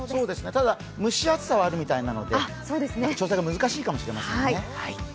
ただ、蒸し暑さはあるみたいなので調整が難しいかもしれないですね。